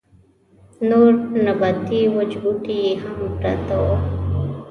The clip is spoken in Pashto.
نور نباتي وچ بوټي يې هم پراته وو.